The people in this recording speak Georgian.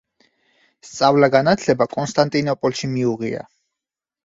სწავლა-განათლება კონსტანტინოპოლში მიუღია.